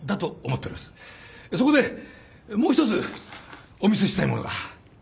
そこでもう１つお見せしたいものが。